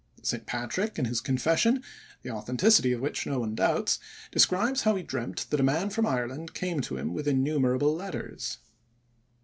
St. Patrick in his Confession, the authenticity of which no one doubts, describes how he dreamt that a man from Ireland came to him with innumerable letters.